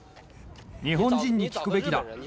日本人に聞くべきだ。